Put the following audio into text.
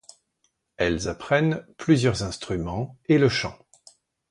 Elles apprennent plusieurs instruments et le chant.